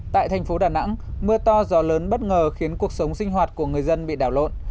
tại thành phố đà nẵng mưa to gió lớn bất ngờ khiến cuộc sống sinh hoạt của người dân bị đảo lộn